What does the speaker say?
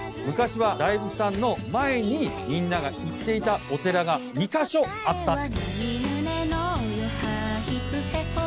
昔は大仏さんの前にみんなが行っていたお寺が２カ所あった。